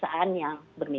tapi mungkin ada yang berpikir